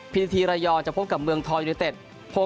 พิธีทีระยองจะพบกับเมืองทองยูนิเต็ด